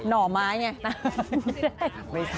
หน่อไม้แบบนี้